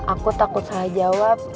aku takut salah jawab